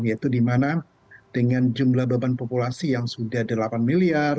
yaitu dimana dengan jumlah beban populasi yang sudah delapan miliar